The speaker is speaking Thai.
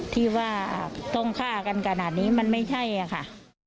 ที่ว่าต้องฆ่ากันขนาดนี้มันไม่ใช่ค่ะ